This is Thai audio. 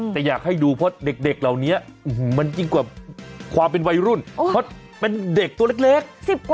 แต่อยากให้ดูเพราะเด็กเหล่านี้มันยิ่งกว่าความเป็นวัยรุ่นเพราะเป็นเด็กตัวเล็ก